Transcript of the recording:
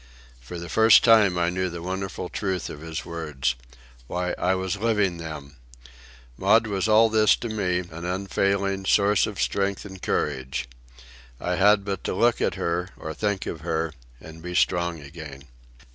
For the first time I knew the wonderful truth of his words. Why, I was living them. Maud was all this to me, an unfailing source of strength and courage. I had but to look at her, or think of her, and be strong again.